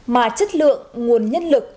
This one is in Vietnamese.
mà chất lượng nguồn nhân lực